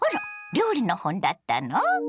料理の本だったの？